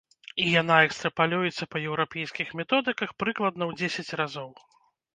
І яна экстрапалюецца па еўрапейскіх методыках прыкладна ў дзесяць разоў.